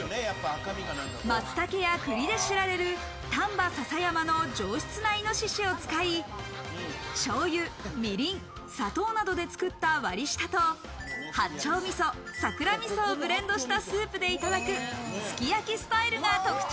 松茸や栗で知られる丹波篠山の上質なイノシシを使い、醤油、みりん、砂糖などで作った割り下と八丁味噌、桜味噌をブレンドしたスープでいただく、すき焼きスタイルが特徴。